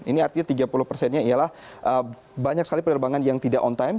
ini artinya tiga puluh persennya ialah banyak sekali penerbangan yang tidak on time